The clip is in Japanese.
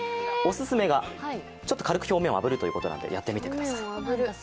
オススメが、ちょっと軽く表面を炙るということなので、やってみてください。